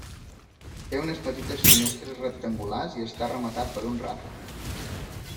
Té unes petites finestres rectangulars i està rematat per un ràfec.